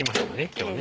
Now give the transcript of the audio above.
今日はね。